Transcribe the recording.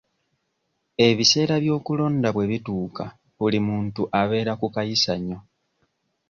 Ebiseera by'okulonda bwe bituuka buli muntu abeera ku kayisanyo.